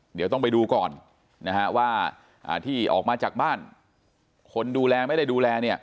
เดี๋ยวต้องไปดูก่อนนะฮะว่าที่ออกมาจากบ้านคนดูแลไม่ได้ดูแลเนี่ย